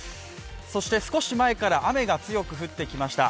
そして少し前から雨が強く降ってきました。